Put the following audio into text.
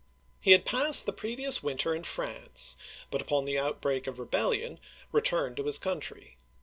He had passed the previous winter in France, but upon the outbreak of rebellion returned to his country.